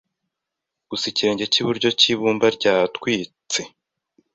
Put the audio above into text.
Gusa ikirenge cyiburyo cyibumba ryatwitse